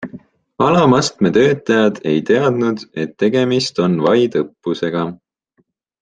Alamastme töötajad ei teadnud, et tegemist on vaid õppusega.